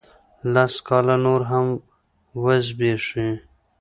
لس کاله نور هم وزبیښي